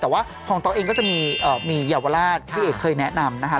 แต่ว่าของต๊อกเองก็จะมีเยาวราชพี่เอกเคยแนะนำนะคะ